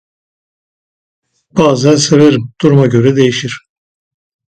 Bazen severim, duruma göre değişir.